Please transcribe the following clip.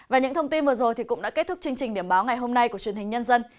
và những thông tin vừa rồi cũng đã kết thúc chương trình điểm báo ngày hôm nay của truyền hình nhân dân